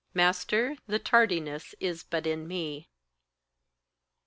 Master, the tardiness is but in me.